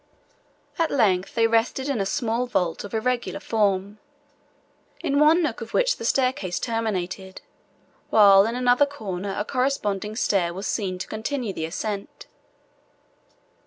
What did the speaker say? At length they rested in a small vault of irregular form, in one nook of which the staircase terminated, while in another corner a corresponding stair was seen to continue the ascent.